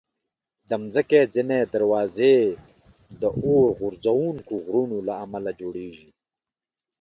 د مځکې ځینې دروازې د اورغورځونکو غرونو له امله جوړېږي.